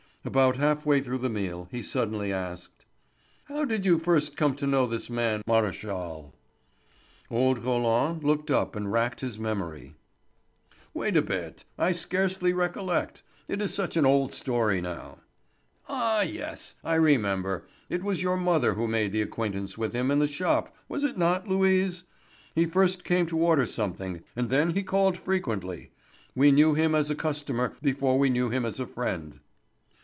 About half way through the meal he suddenly asked: "How did you first come to know this man Maréchal?" Old Roland looked up and racked his memory: "Wait a bit; I scarcely recollect. It is such an old story now. Ah, yes, I remember. It was your mother who made the acquaintance with him in the shop, was it not, Louise? He first came to order something, and then he called frequently. We knew him as a customer before we knew him as a friend."